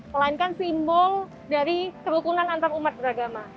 melainkan simbol dari kerukunan antarumat beragama